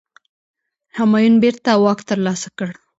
همایون بیرته واک ترلاسه کړ.